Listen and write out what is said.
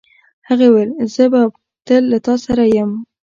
هغې وویل خو زه به تل له تا سره یم.